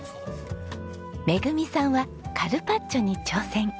めぐみさんはカルパッチョに挑戦。